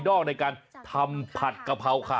โอ้โห